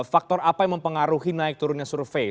faktor apa yang mempengaruhi naik turunnya survei